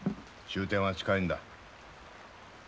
終点は近いんだ。